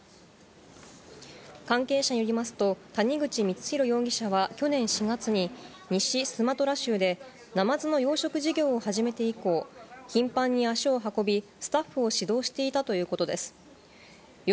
関係者によりますと、谷口光弘容疑者は去年４月に西スマトラ州でナマズの養殖事業を始めて以降、頻繁に足を運び、スタッフを指導していたということです。